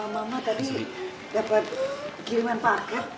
mama tadi dapat kiriman paket